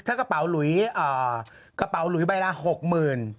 ถ้ากระเป๋าหลุยกระเป๋าหลุยใบละ๖๐๐๐บาท